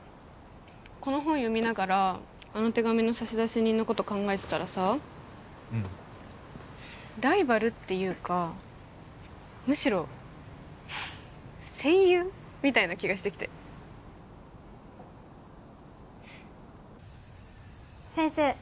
この本読みながらあの手紙の差出人のこと考えてたらさうんライバルっていうかむしろ戦友？みたいな気がしてきて先生